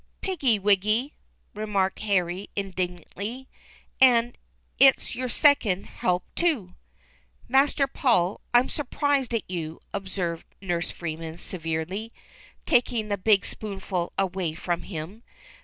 "Piggy wiggy," remarked Harry, indignantly, ''and it's your second help too !"" Master Paul, Pm surprised at you," observed Nurse Freeman severely, taking the big spoonful away from him.